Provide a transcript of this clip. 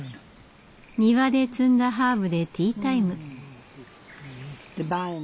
庭で摘んだハーブでティータイム。